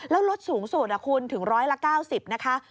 แล้วลดสูงสุดคุณถึงร้อยละ๙๐นะคะ